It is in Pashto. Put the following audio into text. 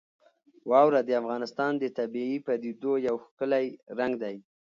واوره د افغانستان د طبیعي پدیدو یو ښکلی رنګ دی.